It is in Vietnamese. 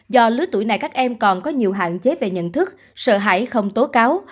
do lứa tuổi này các em còn có nhiều hạn chế về nhận thức sợ hãi không tố cáo